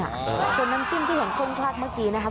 ส่วนน้ำจิ้มที่เห็นค้นคลักเมื่อกี้นะคะ